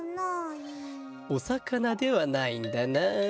おさかなではないんだな。